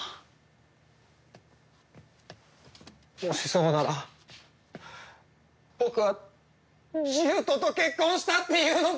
もしそうなら僕は獣人と結婚したっていうのか？